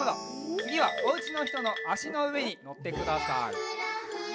つぎはおうちのひとのあしのうえにのってください。